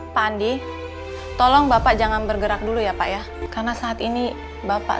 pak andi tolong bapak jangan bergerak dulu ya pak ya karena saat ini bapak